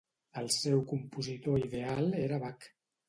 El seu compositor ideal era Bach.